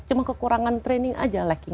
cuman kekurangan training aja